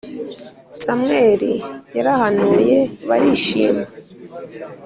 samweli yarahanuye barishima